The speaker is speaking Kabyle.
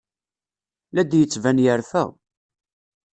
La d-yettban yerfa.